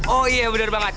oh iya bener banget